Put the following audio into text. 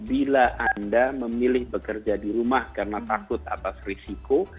bila anda memilih bekerja di rumah karena takut atas risiko